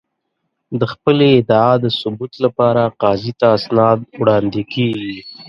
د خپلې ادعا د ثبوت لپاره قاضي ته اسناد وړاندې کېږي.